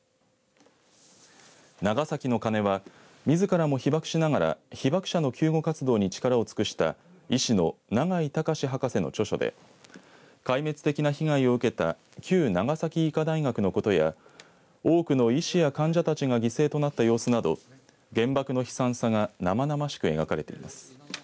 長崎の鐘はみずからも被爆しながら被爆者の救護活動に力を尽くした医師の永井隆博士の著書で壊滅的な被害を受けた旧長崎医科大学のことや多くの医師や患者たちが犠牲となった様子など原爆の悲惨さが生々しく描かれています。